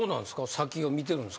先を見てるんすか？